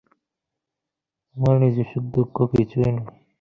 আমার নিজের সুখদুঃখ কিছুই নাই?